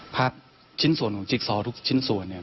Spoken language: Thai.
ภาพชิ้นส่วนของจิกซอครับทุกชิ้นส่วนนี่น่ะ